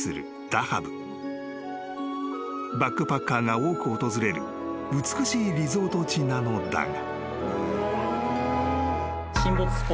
［バックパッカーが多く訪れる美しいリゾート地なのだが］